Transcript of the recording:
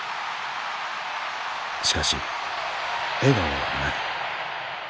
しかし笑顔はない。